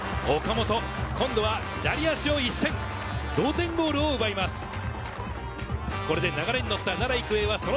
右足は岡本、今度は左足を一閃、同点ゴールを奪います。